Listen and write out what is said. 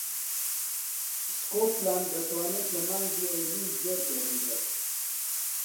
سکۆتلاند دەتوانێت لە مانگی ئەیلوول زۆر گەرم بێت.